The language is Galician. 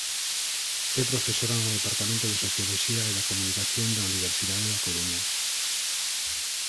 É profesora no Departamento de Socioloxía e da Comunicación da Universidade da Coruña.